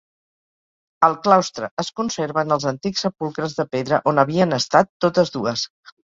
Al claustre es conserven els antics sepulcres de pedra on havien estat totes dues.